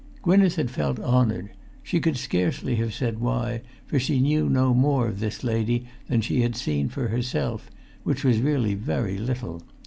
Gwynneth had felt honoured, she could scarcely have said why, for she knew no more of this lady than she had seen for herself, which was really very little.